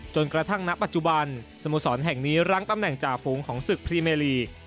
กระทั่งณปัจจุบันสโมสรแห่งนี้รั้งตำแหน่งจ่าฝูงของศึกพรีเมลี